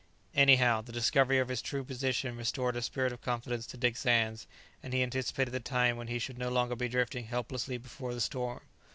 Anyhow, the discovery of his true position restored a spirit of confidence to Dick Sands, and he anticipated the time when he should no longer be drifting helplessly before the storm.